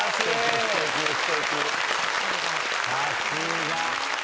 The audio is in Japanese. さすが。